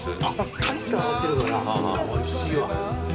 カリッと揚げてるからおいしいわ。